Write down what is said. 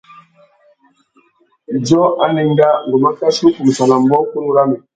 Idjô anénga, ngu mà kachi u kumsana mbōkunú râmê.